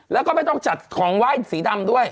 แล้วก็ไม่ต้องจัดของไหว้สีดำด้วย